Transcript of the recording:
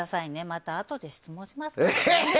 またあとで質問しますからね。